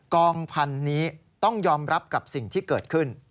กองพันธุ์นี้ต้องยอมรับกับสิ่งที่เกิดขึ้น